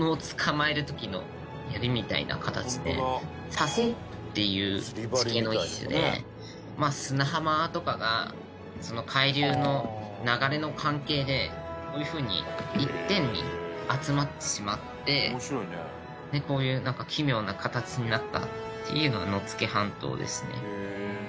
砂嘴っていう地形の一種でまあ砂浜とかが海流の流れの関係でこういうふうに一点に集まってしまってこういう奇妙な形になったっていうのが野付半島ですね。